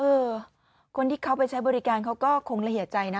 เออคนที่เขาไปใช้บริการเขาก็คงละเอียดใจนะ